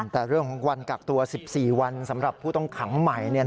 แต่เรื่องของวันกักตัว๑๔วันสำหรับผู้ต้องขังใหม่